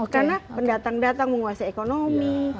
karena pendatang pendatang menguasai ekonomi